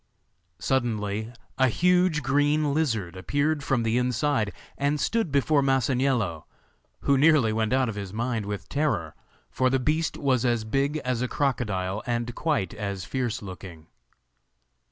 Suddenly a huge green lizard appeared from the inside and stood before Masaniello, who nearly went out of his mind with terror, for the beast was as big as a crocodile and quite as fierce looking.